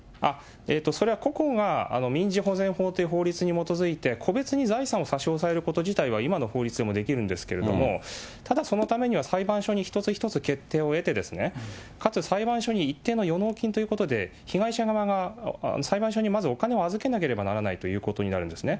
それはここが民事保全法っていう法律に基づいて、個別に財産を差し押さえること自体は今の法律でもできるんですけれども、ただ、そのためには、裁判所に一つ一つ決定を得てですね、かつ裁判所に一定の予納金ということで、被害者側が裁判所にまずお金を預けなければいけないということになるんですね。